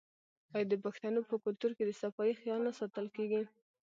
آیا د پښتنو په کلتور کې د صفايي خیال نه ساتل کیږي؟